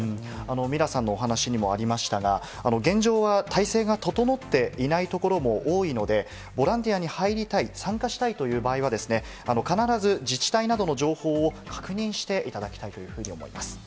ミラさんのお話にもありましたが、現状では態勢が整っていない所も多いので、ボランティアに入りたい、参加したいという場合は、必ず自治体などの情報を確認していただきたいというふうに思います。